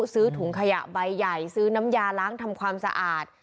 ซื้อถุงขยะใบใหญ่ซื้อน้ำยาล้างทำความสะอาด